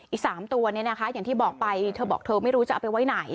อีก๓ตัวเนี่ยนะคะอย่างที่บอกไปเธอบอกเธอไม่รู้จะเอาไปไว้ไหน